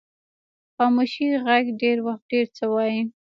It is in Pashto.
د خاموشۍ ږغ ډېر وخت ډیر څه وایي.